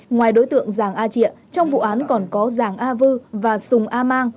ngoài đối tượng giàng a trịa trong vụ án còn có giàng a vư và sùng a mang